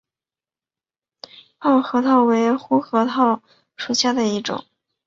泡核桃为胡桃科胡桃属下的一个种。